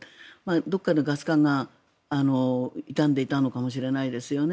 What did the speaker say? どこかのガス管が傷んでいたのかもしれないですよね。